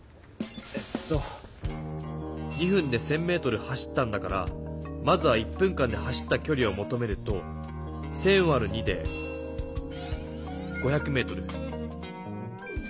えっと２分で１０００メートル走ったんだからまずは１分間で走ったきょりをもとめると１０００わる２で５００メートル。